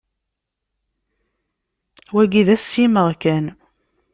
Wagi d assimeɣ kan.